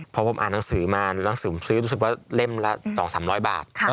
พอผมอ่านหนังสือมารู้สึกว่าเล่มละ๒๐๐๓๐๐บาท